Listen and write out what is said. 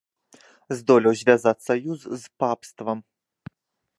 Здолеў звязаць саюз з папствам.